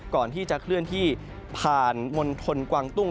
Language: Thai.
ก่อนที่จะเคลื่อนที่ผ่านมณฑลกวางตุ้ง